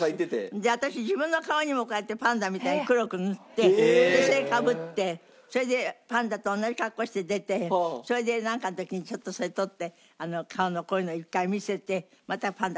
で私自分の顔にもこうやってパンダみたいに黒く塗ってそれをかぶってそれでパンダと同じ格好して出てそれでなんかの時にちょっとそれ取って顔のこういうの一回見せてまたパンダかぶったり。